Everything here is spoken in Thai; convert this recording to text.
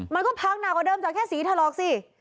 มันก็พังหนักกว่าเดิมจากแค่สีถลอกสิ